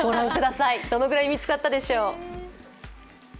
どのぐらい見つかったでしょう。